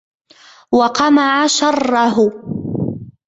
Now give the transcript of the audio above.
وَقَمَعَ شَرَّهُ